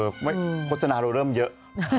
โฆษณาเราเริ่มเยอะ